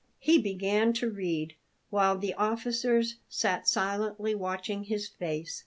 He began to read, while the officers sat silently watching his face.